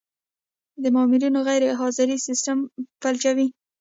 د مامورینو غیرحاضري سیستم فلجوي.